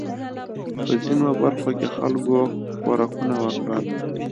په ځینو برخو کې خلکو ښورښونه وکړل.